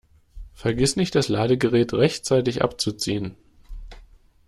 Vergiss nicht, das Ladegerät rechtzeitig abzuziehen!